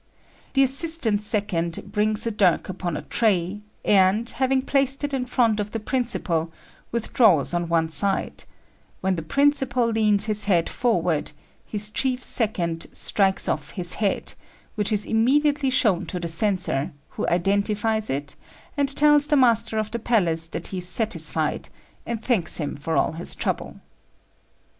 The assistant second brings a dirk upon a tray, and, having placed it in front of the principal, withdraws on one side: when the principal leans his head forward, his chief second strikes off his head, which is immediately shown to the censor, who identifies it, and tells the master of the palace that he is satisfied, and thanks him for all his trouble.